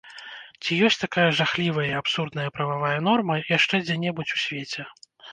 Ці ёсць такая жахлівая і абсурдная прававая норма яшчэ дзе-небудзь у свеце?!